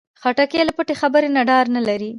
خټکی له پټې خبرې نه ډار نه لري.